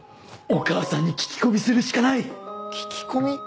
お母さんに聞き込みするしかない！聞き込み？